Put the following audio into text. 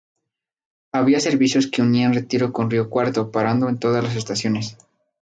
Había servicios que unía Retiro con Río Cuarto parando en todas las estaciones.